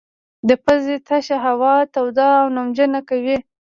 د پزې تشه هوا توده او نمجنه کوي.